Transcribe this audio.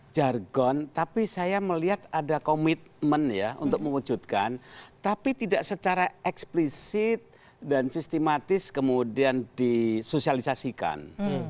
jargon tapi saya melihat ada komitmen ya untuk mewujudkan tapi tidak secara eksplisit dan sistematis kemudian disosialisasikan